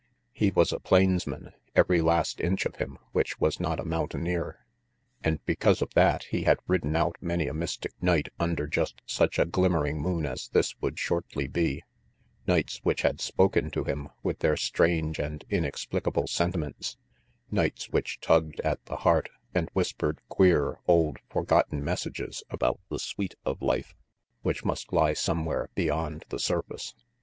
He was a plainsman, every last inch of him which was not a mountaineer; and because of that he had ridden out many a mystic night under just such a glimmering moon as this would shortly be, nights which had spoken to him with their strange and inexplicable sentiments, nights which tugged at the 238 RANGY PETE heart and whispered queer, old, forgotten messages about the sweet of life which must lie somewhere beyond the surface.